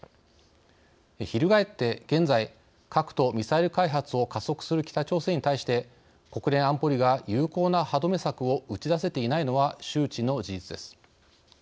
翻って現在核とミサイル開発を加速する北朝鮮に対して国連安保理が有効な歯止め策を打ち出せていないのは周知の事実です。